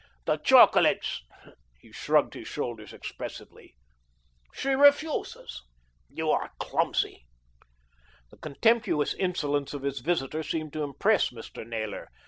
The chocolates " He shrugged his shoulders expressively. "She refuses. You are clumsy." The contemptuous insolence of his visitor seemed to impress Mr. Naylor.